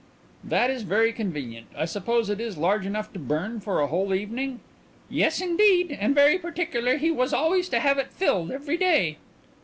"That is very convenient. I suppose it is large enough to burn for a whole evening?" "Yes, indeed. And very particular he was always to have it filled every day."